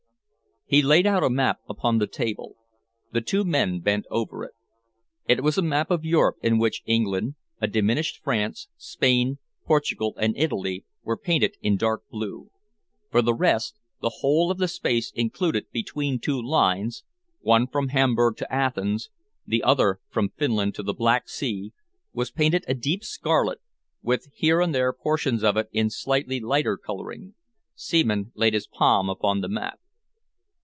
He laid out a map upon the table. The two men bent over it. It was a map of Europe, in which England, a diminished France, Spain, Portugal and Italy, were painted in dark blue. For the rest, the whole of the space included between two lines, one from Hamburg to Athens, the other from Finland to the Black Sea, was painted a deep scarlet, with here and there portions of it in slightly lighter colouring. Seaman laid his palm upon the map.